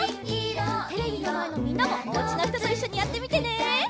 テレビのまえのみんなもおうちのひとといっしょにやってみてね！